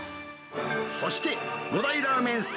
そして、５大ラーメン